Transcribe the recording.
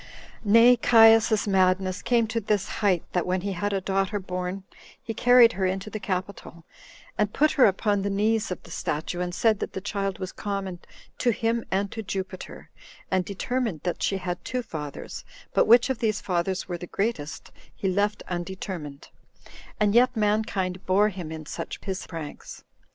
2. Nay, Caius's madness came to this height, that when he had a daughter born, he carried her into the capitol, and put her upon the knees of the statue, and said that the child was common to him and to Jupiter, and determined that she had two fathers, but which of these fathers were the greatest he left undetermined; and yet mankind bore him in such his pranks.